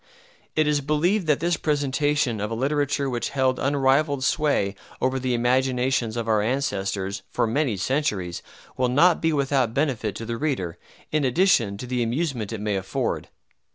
It is believed that this presentation of a literature which held unrivalled sway over the imaginations of our ancestors, for many centuries, will not be without benefit to the reader, in addition to the amusement it may afford.